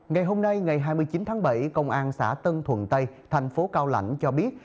ngày hôm nay ngày hai mươi chín tháng bảy công an xã tân thuận tây thành phố cao lãnh cho biết